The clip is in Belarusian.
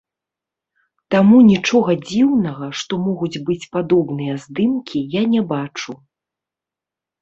Таму нічога дзіўнага, што могуць быць падобныя здымкі, я не бачу.